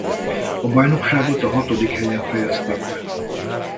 A bajnokságot a hatodik helyen fejezték be.